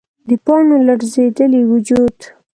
د پاڼو لړزیدلی وجود